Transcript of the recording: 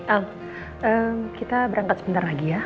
al kita berangkat sebentar lagi ya